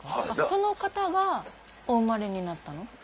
その方がお生まれになったの？